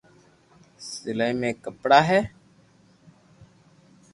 سلائي مي ڪپڙا ھي